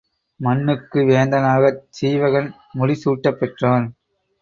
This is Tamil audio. மண்ணுக்கு வேந்தனாகச் சீவகன் முடிசூட்டப் பெற்றான்.